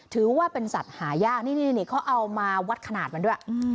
ถือว่าเป็นสัตว์หายากนี่เขาเอามาวัดขนาดมันด้วย